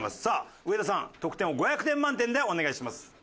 さあ上田さん得点を５００点満点でお願いします。